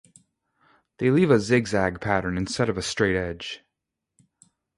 They leave a zigzag pattern instead of a straight edge.